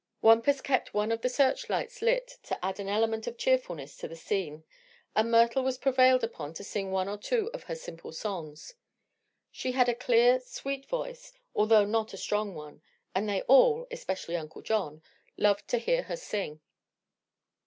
Wampus kept one of the searchlights lit to add an element of cheerfulness to the scene, and Myrtle was prevailed upon to sing one or two of her simple songs. She had a clear, sweet voice, although not a strong one, and they all especially Uncle John loved to hear her sing.